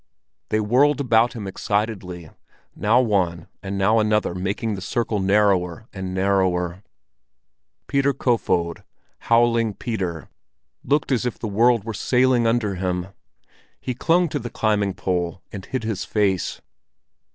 They whirled about him excitedly, now one and now another making the circle narrower and narrower. Peter Kofod —Howling Peter—looked as if the world were sailing under him; he clung to the climbing pole and hid his face.